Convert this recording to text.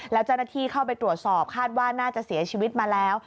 แล้วเจ้าหน้าที่เข้าไปตรวจสอบคาดว่าน่าจะเสียชีวิตมาแล้ว